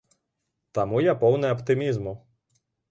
Таму я поўны аптымізму!